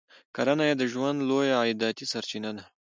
کرنه یې د ژوند لویه عایداتي سرچینه ده.